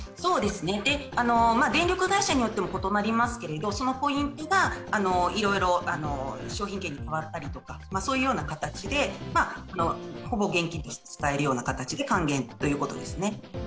電力会社によっても異なりますけれども、そのポイントがいろいろ商品券に変わったりとか、そういう形でほぼ現金として使えるような形で、還元ということですね。